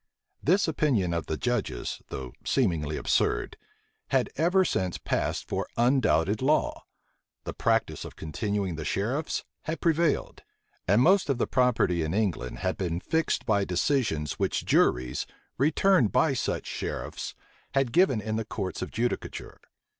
This opinion of the judges, though seemingly absurd, had ever since passed for undoubted law; the practice of continuing the sheriffs had prevailed: and most of the property in England had been fixed by decisions which juries, returned by such sheriffs, had given in the courts of judicature.